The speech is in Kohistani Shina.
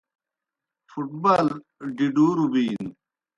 فُٹ بال ڈِڈُوروْ بِینوْ۔